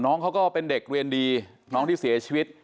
น้องเขาก็เป็นเด็กเรียนดีน้องที่เสียชีวิต